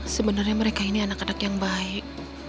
sebenarnya mereka ini anak anak yang baik